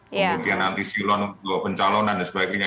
kemudian antisilon untuk pencalonan dan sebagainya